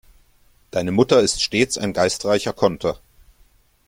Deine Mutter ist stets ein geistreicher Konter.